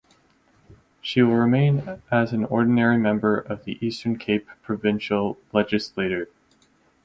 She will remain as an ordinary member of the Eastern Cape provincial legislature.